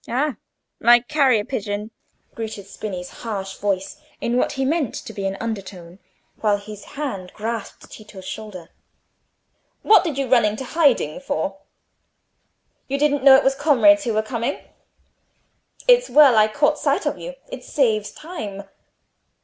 "Ha! my carrier pigeon!" grated Spini's harsh voice, in what he meant to be an undertone, while his hand grasped Tito's shoulder; "what did you run into hiding for? You didn't know it was comrades who were coming. It's well I caught sight of you; it saves time.